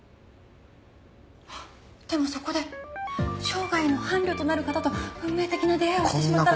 あっでもそこで生涯の伴侶となる方と運命的な出会いをしてしまったら。